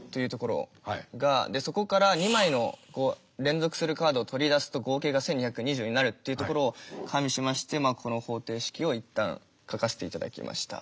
でそこから２枚の連続するカードを取り出すと合計が１，２２４になるっていうところを加味しましてこの方程式を一旦書かせていただきました。